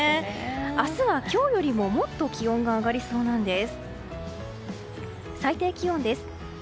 明日は今日よりももっと気温が上がりそうなんです。